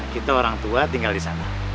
kita orang tua tinggal di sana